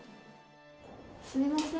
すみません。